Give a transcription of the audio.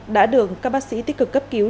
đã được các bác sĩ tích cực cấp cứu